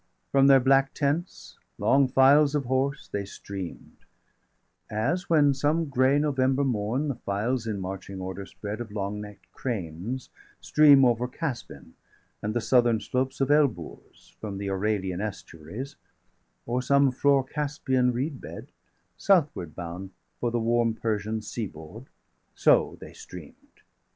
From their black tents, long files of horse, they stream'd; As when some grey November morn the files, 111 In marching order spread, of long neck'd cranes Stream over Casbin° and the southern slopes °113 Of Elburz,° from the Aralian estuaries, °114 Or some frore° Caspian reed bed, southward bound °115 For the warm Persian sea board so they stream'd.